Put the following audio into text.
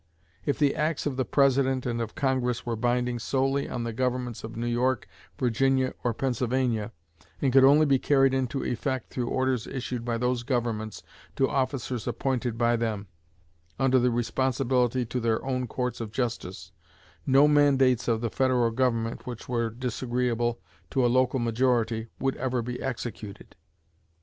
If the acts of the President and of Congress were binding solely on the governments of New York, Virginia, or Pennsylvania, and could only be carried into effect through orders issued by those governments to officers appointed by them, under responsibility to their own courts of justice, no mandates of the federal government which were disagreeable to a local majority would ever be executed.